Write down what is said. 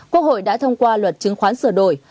quốc hội đã thông qua luật chứng khoán sửa đổi